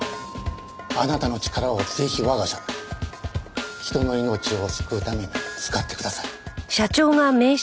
あなたの力をぜひ我が社で人の命を救うために使ってください。